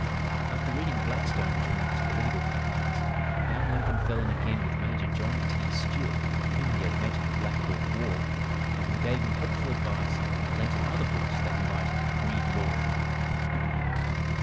After reading "Blackstone" during his political campaigns, young Lincoln fell in again with Major John T. Stuart, whom he had met in the Black Hawk War, and who gave him helpful advice and lent him other books that he might "read law."